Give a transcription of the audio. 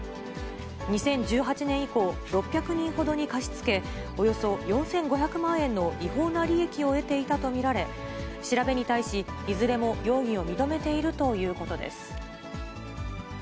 ２０１８年以降、６００人ほどに貸し付け、およそ４５００万円の違法な利益を得ていたと見られ、調べに対し、いずれも容疑を認めているということです。